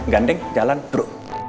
ganding jalan bro